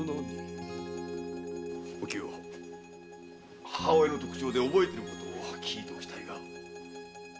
お京母親の特徴で覚えていることを聞いておきたい。